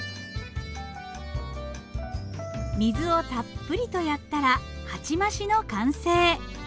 水をたっぷりとやったら鉢増しの完成。